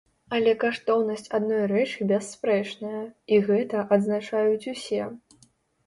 Але каштоўнасць адной рэчы бясспрэчная, і гэта адзначаюць усе.